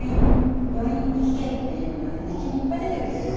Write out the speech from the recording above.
「女院に聞け」っていうのがね日記にいっぱい出てくるの。